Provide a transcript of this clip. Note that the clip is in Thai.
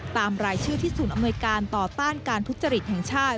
รายชื่อที่ศูนย์อำนวยการต่อต้านการทุจริตแห่งชาติ